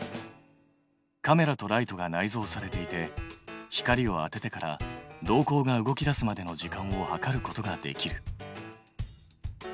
カメラとライトが内蔵されていて光を当ててから瞳孔が動き出すまでの時間を計ることができる。